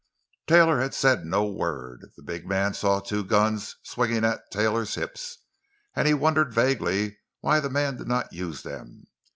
Taylor had said no word. The big man saw two guns swinging at Taylor's hips, and he wondered vaguely why the man did not use them.